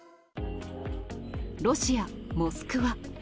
ロシア・モスクワ。